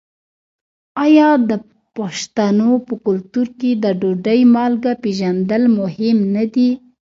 آیا د پښتنو په کلتور کې د ډوډۍ مالګه پیژندل مهم نه دي؟